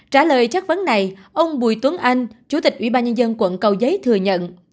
trả lời chất vấn này ông bùi tuấn anh chủ tịch ủy ban nhân dân quận cầu giấy thừa nhận